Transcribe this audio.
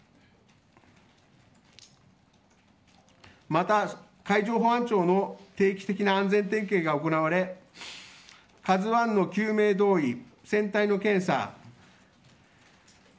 また、海上保安庁の定期的な安全点検が行われ「ＫＡＺＵ１」の救命胴衣船体の検査。